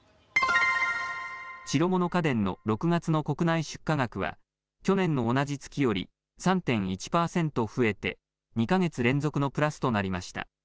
白物家電の６月の国内出荷額は去年の同じ月より３．１％増えて２か月連続のプラスとなりました。